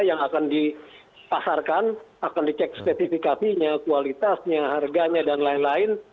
yang akan dipasarkan akan dicek spesifikasinya kualitasnya harganya dan lain lain